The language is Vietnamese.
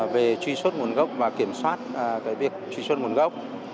về truy xuất nguồn gốc và kiểm soát việc truy xuất nguồn gốc